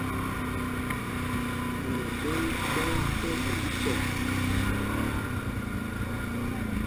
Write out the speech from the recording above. Ɓot o ɗɛ́l ɓɛ́ ɛ́ tɔ̄ ɓɛ̌ ipɛt.